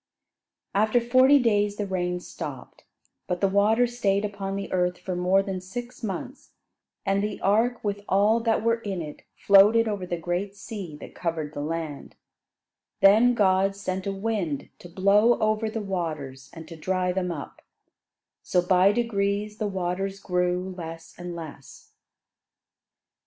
[Illustration: The water rose higher and higher] After forty days the rain stopped, but the water stayed upon the earth for more than six months, and the ark with all that were in it floated over the great sea that covered the land. Then God sent a wind to blow over the waters, and to dry them up; so by degrees the waters grew less and less.